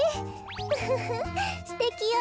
ウフフすてきよ。